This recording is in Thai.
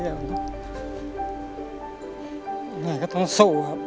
เสี่ยงครับ